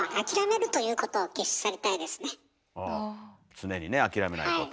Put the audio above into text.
常にねあきらめないこと。